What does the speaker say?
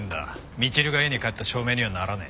みちるが家に帰った証明にはならねえ。